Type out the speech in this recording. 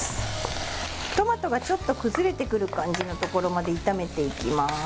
トマトがちょっと崩れてくる感じのところまで炒めていきます。